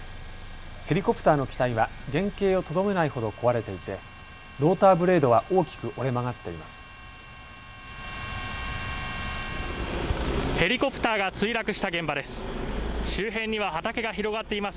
ヘリコプターの機体は原形をとどめないほど壊れていてローターブレードは大きく折れ曲がっています。